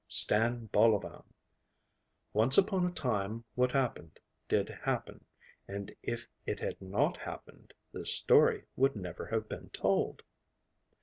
STAN BOLOVAN Once upon a time what happened did happen, and if it had not happened this story would never have been told.